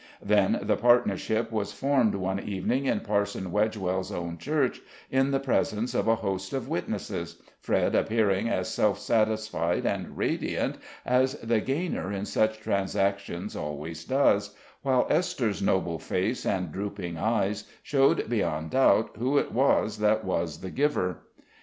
Then the partnership was formed one evening in Parson Wedgewell's own church, in the presence of a host of witnesses, Fred appearing as self satisfied and radiant as the gainer in such transactions always does, while Esther's noble face and drooping eyes showed beyond doubt who it was that was the giver.